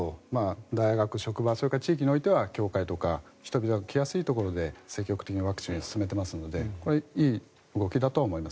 大学、職場地域においては教会とか人々が来やすいところで積極的にワクチンを進めていますのでこれはいい動きだと思います。